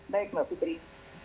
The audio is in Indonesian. baik mbak fitri